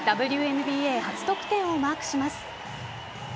ＷＮＢＡ初得点をマークします。